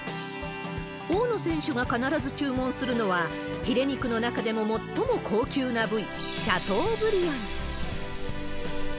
大野選手が必ず注文するのは、ひれ肉の中でも最も高級な部位、シャトーブリアン。